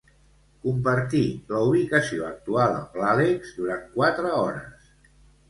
Compartir la ubicació actual amb l'Àlex durant quatre hores.